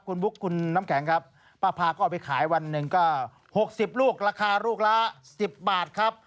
คุณบุ๊คคุณน้ำแข็งครับป้าพาก็เอาไปขายวันหนึ่งก็๖๐ลูกราคาลูกละ๑๐บาทครับ